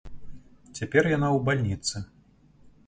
Цяпер яна ў бальніцы.